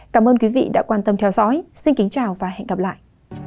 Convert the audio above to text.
cảm ơn quý vị đã quan tâm theo dõi xin kính chào và hẹn gặp lại